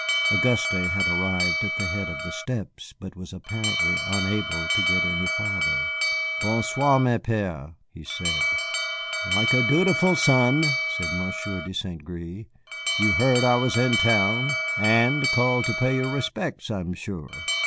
Auguste had arrived at the head of the steps but was apparently unable to get any farther. "Bon soir, mon père," he said. "Like a dutiful son," said Monsieur de St. Gré, "you heard I was in town, and called to pay your respects, I am sure.